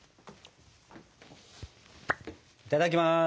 いただきます。